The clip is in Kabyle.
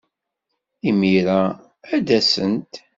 Imir-a ad d-asent.